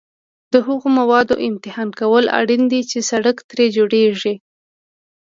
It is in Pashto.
د هغو موادو امتحان کول اړین دي چې سړک ترې جوړیږي